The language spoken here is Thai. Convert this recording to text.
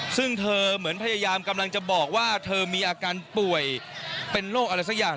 ซึ่งเธอเหมือนพยายามกำลังจะบอกว่าเธอมีอาการป่วยเป็นโรคอะไรสักอย่าง